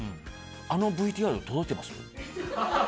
あのＶＴＲ、届いてます？